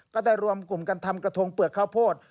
ก็ได้รวมกลุ่มกันทำกระทงเปลือกข้าวโพด